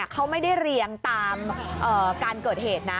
เขาไม่ได้เรียงตามการเกิดเหตุนะ